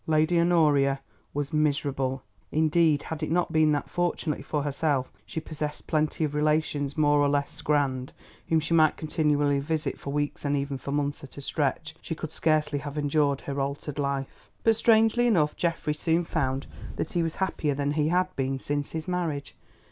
Lady Honoria was miserable, indeed had it not been that fortunately for herself she possessed plenty of relations more or less grand, whom she might continually visit for weeks and even for months at a stretch, she could scarcely have endured her altered life. But strangely enough Geoffrey soon found that he was happier than he had been since his marriage.